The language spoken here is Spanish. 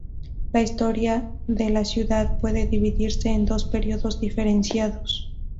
La historia de la ciudad puede dividirse en dos períodos diferenciados.